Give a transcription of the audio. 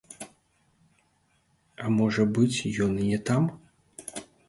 А можа быць, ён і не там?